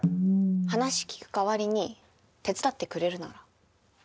話聞く代わりに手伝ってくれるなら。